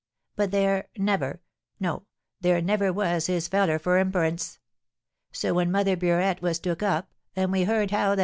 But there never, no, there never was his feller for inperence! So when Mother Burette was took up, and we heard how that M.